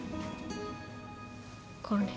これ。